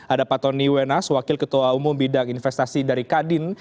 ada pak tony wenas wakil ketua umum bidang investasi dari kadin